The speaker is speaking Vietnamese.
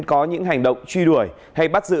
có những hành động truy đuổi hay bắt giữ